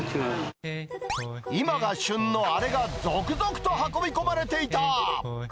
今が旬のあれが続々と運び込まれていた。